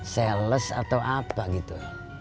sales atau apa gitu